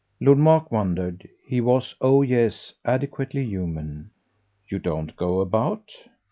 Lord Mark wondered he was, oh yes, adequately human. "You don't go about?"